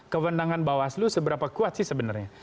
kewenangan bawaslu seberapa kuat sih sebenarnya